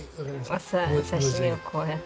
お刺し身をこうやって。